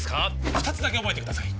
二つだけ覚えてください